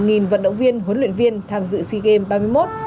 hà nội đã đón gần một vận động viên huấn luyện viên tham dự sea games ba mươi một